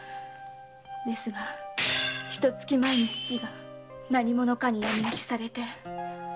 ですがひと月前に父が何者かに闇討ちされて。